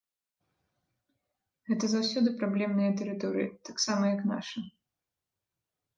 Гэта заўсёды праблемныя тэрыторыі, таксама як наша.